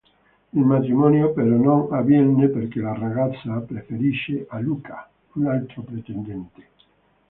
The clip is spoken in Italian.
Il matrimonio però non avviene perché la ragazza preferisce a Luca un altro pretendente.